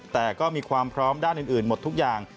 แต่ก็มีความพร้อมด้านอื่นหมดทุกอย่าง